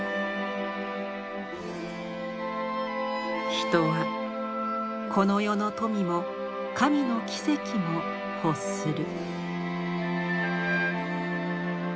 人はこの世の富も神の奇跡も欲する。